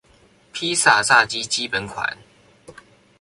披薩炸雞基本款